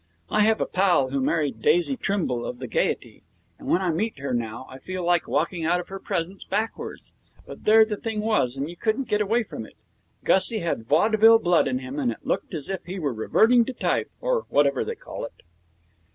I have a pal who married Daisy Trimble of the Gaiety, and when I meet her now I feel like walking out of her presence backwards. But there the thing was, and you couldn't get away from it. Gussie had vaudeville blood in him, and it looked as if he were reverting to type, or whatever they call it.